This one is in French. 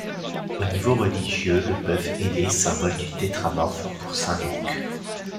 Au niveau religieux le bœuf ailé symbole du tétramorphe pour saint Luc.